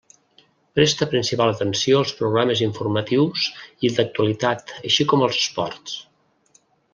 Presta principal atenció als programes informatius i d'actualitat així com als esports.